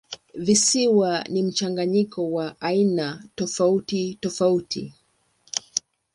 Visiwa ni mchanganyiko wa aina tofautitofauti.